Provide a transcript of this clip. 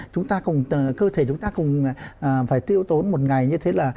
cơ thể chúng ta cũng phải tiêu tốn một ngày như thế là